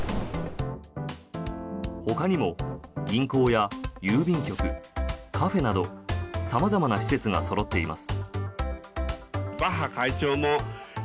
ほかにも銀行や郵便局カフェなど様々な施設がそろっています。